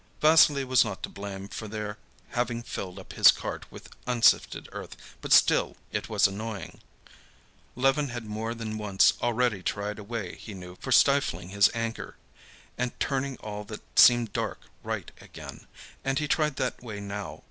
Vassily was not to blame for their having filled up his cart with unsifted earth, but still it was annoying. Levin had more than once already tried a way he knew for stifling his anger, and turning all that seemed dark right again, and he tried that way now.